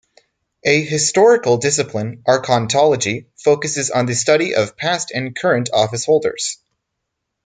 A historical discipline, archontology, focuses on the study of past and current office holders.